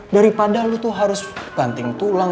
daripada lo tuh harus ganting tulang